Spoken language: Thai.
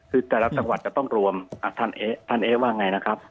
คือแต่ละจังหวัดจะต้องรวมท่านเอ๊ะว่าไงนะครับ